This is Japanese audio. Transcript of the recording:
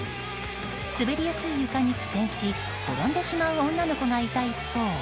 滑りやすい床に苦戦し転んでしまう女の子がいた一方